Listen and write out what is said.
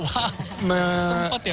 sempat ya pak